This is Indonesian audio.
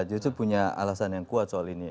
justru punya alasan yang kuat soal ini